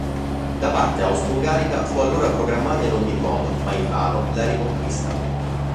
Da parte austroungarica fu allora programmata in ogni modo, ma invano, la riconquista.